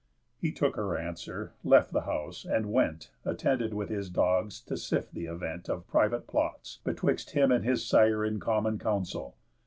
He took her answer, left the house, and went, Attended with his dogs, to sift th' event Of private plots, betwixt him and his sire In common counsel.